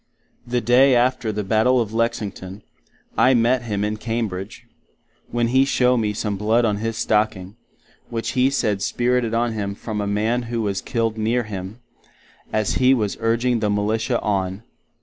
The day after the Battle of Lexington, I met him in Cambridge, when He shew me some blood on his stocking, which he said spirted on him from a Man who was killed near him, as he was urging the Militia on.